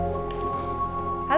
tante apa kabar